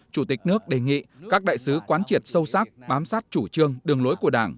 chủ tịch nước đề nghị các đại sứ quán triệt sâu sắc bám sát chủ trương đường lối của đảng